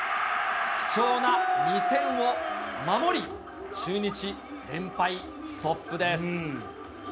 貴重な２点を守り、中日、連敗ストップです。